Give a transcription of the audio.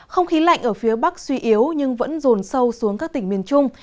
không khí lạnh ở phía bắc suy yếu nhưng vẫn rồn sâu xuống các tỉnh miền trung